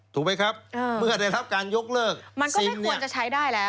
ถูกไหมครับเมื่อได้รับการยกเลิกมันก็ไม่ควรจะใช้ได้แล้ว